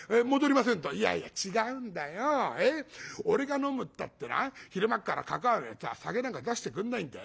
俺が飲むったってな昼間っからかかあのやつは酒なんか出してくんないんだよ。